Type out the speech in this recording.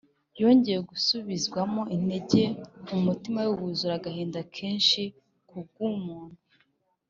. Yongeye gusubizwamo intege, Umutima we wuzura agahinda kenshi kubw’umuntu